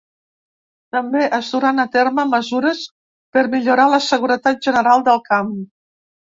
També es duran a terme mesures per millorar la seguretat general del camp.